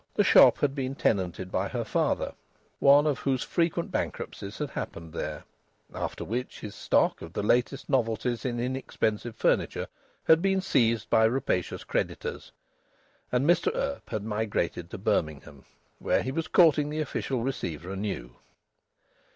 The shop had been tenanted by her father, one of whose frequent bankruptcies had happened there; after which his stock of the latest novelties in inexpensive furniture had been seized by rapacious creditors, and Mr Earp had migrated to Birmingham, where he was courting the Official Receiver anew.